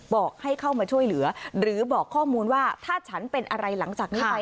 บอกให้เข้ามาช่วยเหลือหรือบอกข้อมูลว่าถ้าฉันเป็นอะไรหลังจากนี้ไป